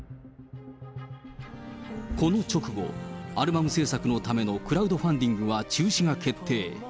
この直後、アルバム制作のためのクラウドファンディングは中止が決定。